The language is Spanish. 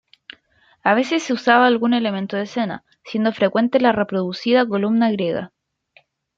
A veces se usaba algún elemento de escena, siendo frecuente la reproducida columna griega.